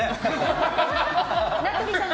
名取さん